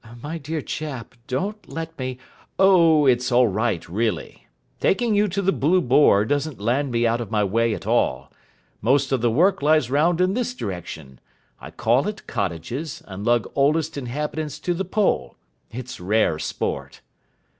"My dear chap, don't let me " "Oh, it's all right, really. Taking you to the 'Blue Boar' doesn't land me out of my way at all. Most of the work lies round in this direction. I call at cottages, and lug oldest inhabitants to the poll. It's rare sport."